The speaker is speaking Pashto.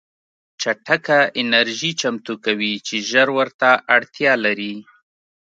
چټکه انرژي چمتو کوي چې ژر ورته اړتیا لري